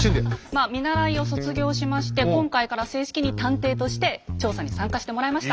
まあ見習いを卒業しまして今回から正式に探偵として調査に参加してもらいました。